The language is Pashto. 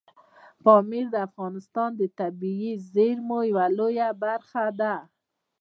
پامیر د افغانستان د طبیعي زیرمو یوه لویه برخه ده.